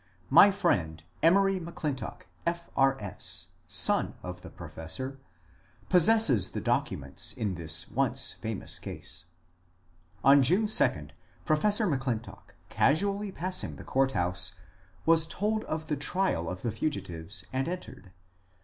My friend Emory M'Clintock, F. R. S., son of the professor, pos sesses the documents in this once famous case. On June 2, Professor M'Clintock, casually passing the court house, was told of the trial of the fugitives, and entered.